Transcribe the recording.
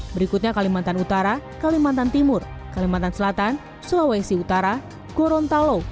berikutnya kalimantan utara kalimantan timur kalimantan selatan sulawesi utara gorontalo